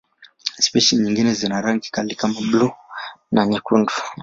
Spishi nyingine zina rangi kali kama buluu na nyekundu.